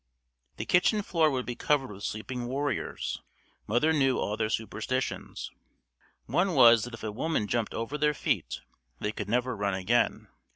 The kitchen floor would be covered with sleeping warriors. Mother knew all their superstitions. One was that if a woman jumped over their feet they could never run again.